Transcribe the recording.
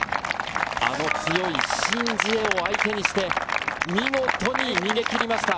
強いシン・ジエを相手にして、見事に逃げ切りました。